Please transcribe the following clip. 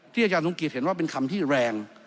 ที่อาจารย์ทุกข์รีศเห็นเป็นคำที่แรง